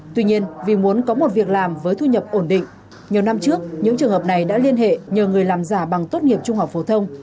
tuy nhiên vì muốn có một việc làm với thu nhập ổn định nhiều năm trước những trường hợp này đã liên hệ nhờ người làm giả bằng tốt nghiệp trung học phổ thông